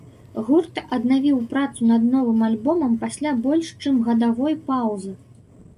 Гурт аднавіў працу над новым альбомам пасля больш, чым гадавой паўзы.